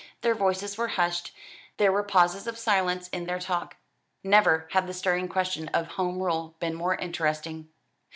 Their voices were hushed; there were pauses of silence in their talk. Never had the stirring question of Home Rule been more interesting.